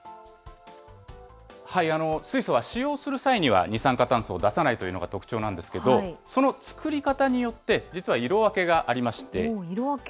水素は使用する際には二酸化炭素を出さないというのが特徴なんですけれども、その作り方によって、実は色分けがありまして。